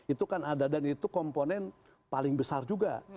itu kan ada dan itu komponen paling besar juga